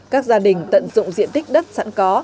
các gia đình tận dụng diện tích đất sẵn có